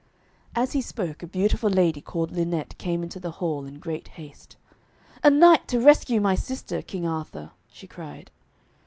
As he spoke, a beautiful lady called Lynette came into the hall, in great haste. 'A knight to rescue my sister, King Arthur,' she cried.